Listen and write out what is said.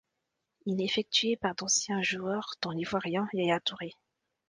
Il est effectué par d'anciens joueurs dont l'Ivoirien Yaya Touré.